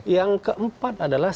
yang keempat adalah